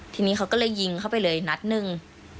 ทีนี้เขาก็เลยยิงเข้าไปเลยนัดหนึ่ง